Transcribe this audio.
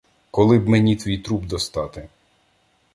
Коли б мені твій труп достати